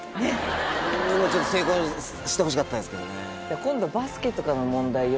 ちょっと成功してほしかったですけどね。